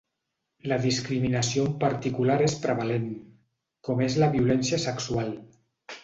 La discriminació en particular és prevalent, com és la violència sexual.